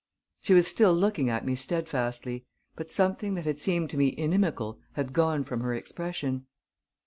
She was still looking at me steadfastly; but something that had seemed to me inimical had gone from her expression.